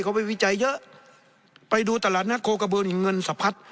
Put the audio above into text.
เขาไปวิจัยเยอะไปดูตลาดนัดโคกระบือนี่เงินสะพัด